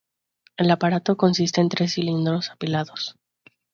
El aparato consiste en tres cilindros apilados.